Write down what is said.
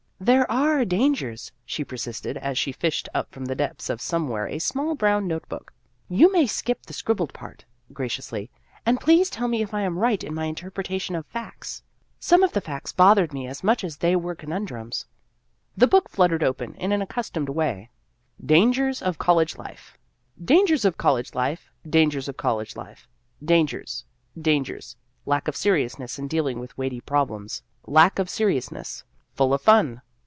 " There are dangers," she persisted, as she fished up from the depths of some where a small brown note book. " You may skip the scribbled part," graciously, " and please tell me if I am right in my interpretation of facts. Some of the facts 264 Vassar Studies bothered me as much as if they were conundrums." The book fluttered open in an accus tomed way. " DANGERS OF COLLEGE LIFE " Dangers of College Life. Dangers of College Life. Dangers. Dangers. Lack of seriousness in dealing with weighty problems. Lack of serious ness. Full of fun.